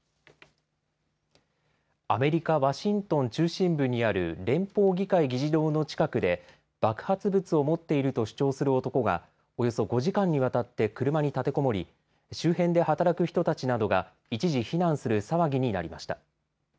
アメリカ、ワシントン中心部にある連邦議会議事堂の近くで爆発物を持っていると主張する男がおよそ５時間にわたって車に立てこもり周辺で働く人たちなどが一時、避難する騒ぎになりました。